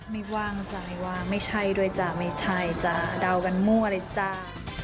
ไม่ว่างใจว่าไม่ใช่ด้วยจ้ะไม่ใช่จ้ะเดากันมั่วเลยจ้า